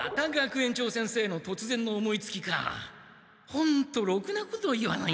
ホントろくなこと言わないんだから。